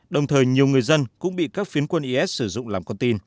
đồng thời nhiều người dân cũng bị các phiến quân is sử dụng làm con tin